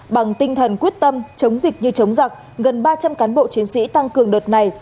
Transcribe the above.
bằng tinh thần quyết tâm chống dịch như chống giặc gần ba trăm linh cán bộ chiến sĩ tăng cường đợt này